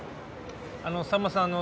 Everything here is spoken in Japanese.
あのさんまさん。